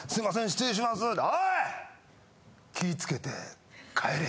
失礼します」って。